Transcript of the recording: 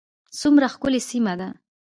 څومره ښکلې سیمه ده